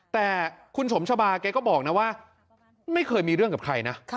แต่คุณสมชบาแกก็บอกนะว่าไม่เคยมีเรื่องกับใครนะ